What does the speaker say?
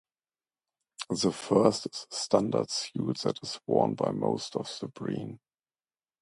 The first is a standard suit that is worn by most of the Breen.